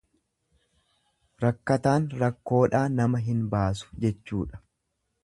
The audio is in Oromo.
Rakkataan rakkoodhaa nama hin baasu jechuudha.